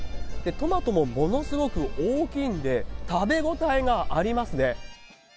トマトもものすごく大きいんで、食べ応えがありますね。